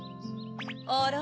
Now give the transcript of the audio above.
あら？